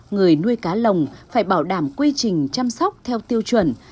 người nuôi cá lồng phải bảo đảm quy trình chăm sóc theo tiêu chuẩn